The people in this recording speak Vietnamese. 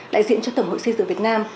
đại diện cho tổng hội xây dựng việt nam